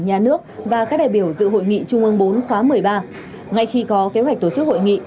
nhà nước và các đại biểu dự hội nghị trung ương bốn khóa một mươi ba ngay khi có kế hoạch tổ chức hội nghị